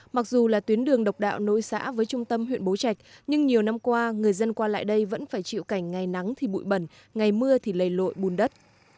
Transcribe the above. mặc dù là tuyến đường độc đạo nối xã với trung tâm huyện bố trạch nhưng nhiều năm qua người dân qua lại đây vẫn phải chịu cảnh ngày nắng thì bụi bẩn ngày mưa thì lầy lội bùn đất